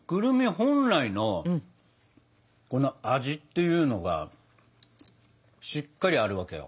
本来のこの味っていうのがしっかりあるわけよ。